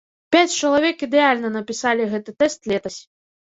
Пяць чалавек ідэальна напісалі гэты тэст летась.